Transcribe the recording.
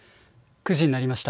９時になりました。